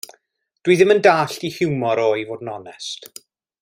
Dw i ddim yn dallt 'i hiwmor o i fod yn onest.